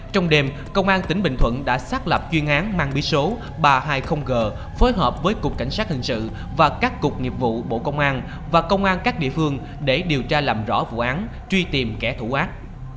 trong đêm công an tỉnh bình thuận đã xác lập chuyên án mang bí số ba trăm hai mươi g phối hợp với cục cảnh sát hình sự và các cục nghiệp vụ bộ công an và công an các địa phương để điều tra làm rõ vụ án truy tìm kẻ thủ ác